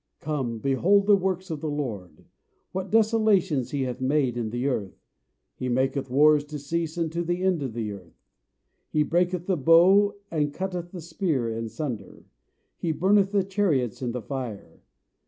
Come, behold the works of the LORD, What desolations he hath made in the earth. He maketh wars to cease unto the end of the earth; He breaketh the bow, and cutteth the spear in sunder; He burneth the chariots in the fire.